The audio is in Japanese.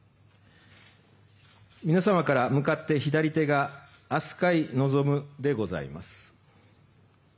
皆様から向かって左手が飛鳥井望でございます。